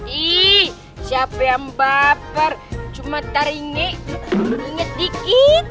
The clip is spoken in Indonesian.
ih siapa yang baper cuma taringik ringet dikit